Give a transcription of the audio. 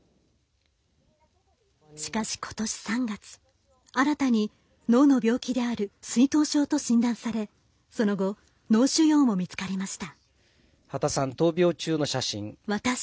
しかし、ことし３月新たに脳の病気である水頭症と診断されその後脳腫瘍も見つかりました。